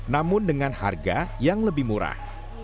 namun dengan harga yang lebih murah